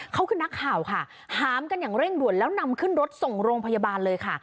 เขาคือนักข่าวค่ะหามกันอย่างเร่งด่วนแล้วนำขึ้นรถส่งโรงพยาบาลเลยค่ะ